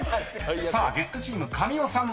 ［さあ月９チーム神尾さんは？